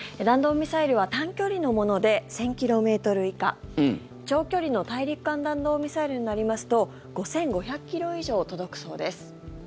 弾道ミサイルは短距離のもので１０００ｋｍ以下長距離の大陸間弾道ミサイルになりますと５５００ｋｍ以上届くそうです。